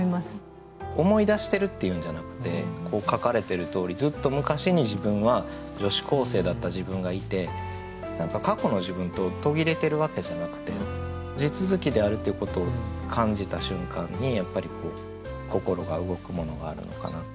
思い出してるっていうんじゃなくてこう書かれてるとおりずっとむかしに自分は女子高生だった自分がいて何か過去の自分と途切れてるわけじゃなくて地続きであるっていうことを感じた瞬間にやっぱり心が動くものがあるのかな。